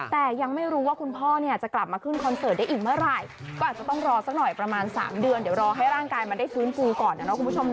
แต่ยังไม่รู้ว่าคุณพ่อเนี่ยจะกลับมาขึ้นคอนเสิร์ตได้อีกเมื่อไหร่ก็อาจจะต้องรอสักหน่อยประมาณ๓เดือนเดี๋ยวรอให้ร่างกายมันได้ฟื้นฟูก่อนนะเนาะคุณผู้ชม